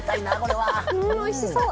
うんおいしそう！